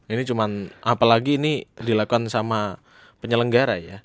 ini cuma apalagi ini dilakukan sama penyelenggara ya